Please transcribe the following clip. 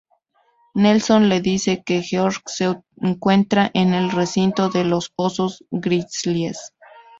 Nelson le dice que George se encuentra en el recinto de los osos grizzlies.